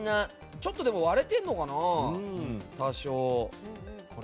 ちょっと割れてるのかな、多少。